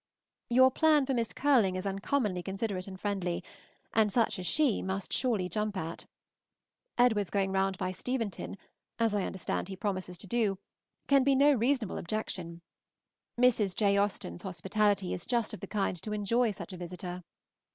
Your plan for Miss Curling is uncommonly considerate and friendly, and such as she must surely jump at. Edward's going round by Steventon, as I understand he promises to do, can be no reasonable objection; Mrs. J. Austen's hospitality is just of the kind to enjoy such a visitor.